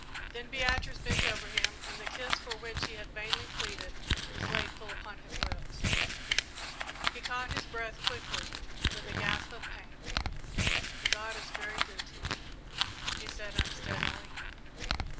Then Beatrice bent over him, and the kiss for which he had vainly pleaded was laid full upon his lips. He caught his breath quickly, with a gasp of pain. "God is very good to me," he said unsteadily.